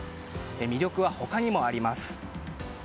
魅力は他にもあります。